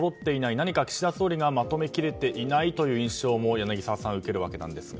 何か岸田総理がまとめきれていないという印象も柳澤さん受けるわけなんですが。